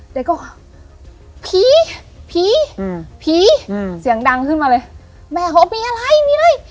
เด็กก็ผีผีอืมผีผีอืมเสียงดังขึ้นมาเลยแม่เขาก็มีอะไรมีอะไร